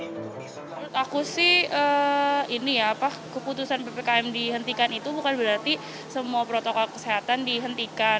menurut aku sih keputusan ppkm dihentikan itu bukan berarti semua protokol kesehatan dihentikan